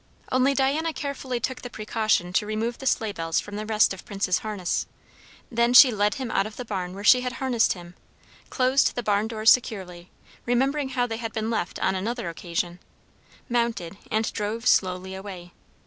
Only Diana carefully took the precaution to remove the sleigh bells from the rest of Prince's harness; then she led him out of the barn where she had harnessed him, closed the barn doors securely, remembering how they had been left on another occasion, mounted, and drove slowly away.